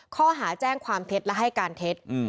ข้อหาแจ้งความเท็จและให้การเท็จ